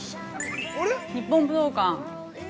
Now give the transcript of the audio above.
日本武道館。